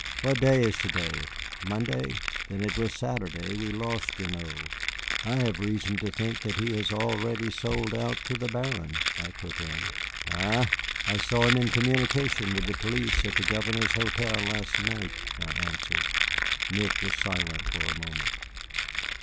What day is to day? Monday? Then it was on Saturday that we lost Gignoux." "I have reason to think that he has already sold out to the Baron," I put in. "Eh?" "I saw him in communication with the police at the Governor's hotel last night," I answered. Nick was silent for a moment.